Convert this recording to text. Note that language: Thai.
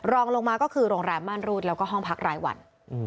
รองลงมาก็คือโรงแรมม่านรูดแล้วก็ห้องพักรายวัน